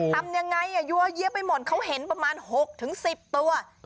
ทำยังไงอ่ะยั่วเยี้ยไปหมดเขาเห็นประมาณหกถึงสิบตัว